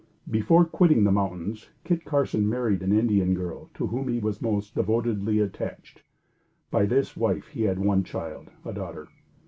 Before quitting the mountains, Kit Carson married an Indian girl to whom he was most devotedly attached. By this wife he had one child, a daughter.